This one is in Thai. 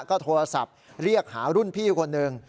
ก็โทรศัพท์เรียกหารุ่นพี่คนหนึ่ง